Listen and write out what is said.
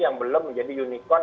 yang belum menjadi unicaon